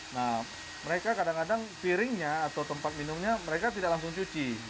nah mereka kadang kadang piringnya atau tempat minumnya mereka tidak langsung cuci